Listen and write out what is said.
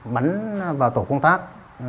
bắn vào tổ công tác